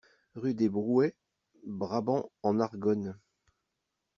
Rue des Brouets, Brabant-en-Argonne